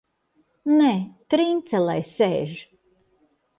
Nē, Trince lai sēž!